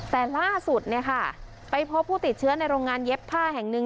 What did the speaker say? แต่ล่าสุดเนี่ยค่ะไปพบผู้ติดเชื้อในโรงงานเย็บผ้าแห่งหนึ่ง